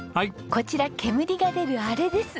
こちら煙が出るあれです。